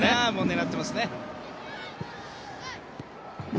狙ってますね。